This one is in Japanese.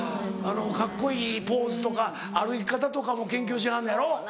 カッコいいポーズとか歩き方とかも研究しはんのやろ。